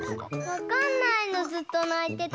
わかんないのずっとないてて。